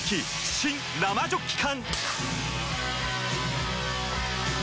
新・生ジョッキ缶！